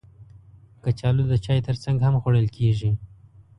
کچالو د چای ترڅنګ هم خوړل کېږي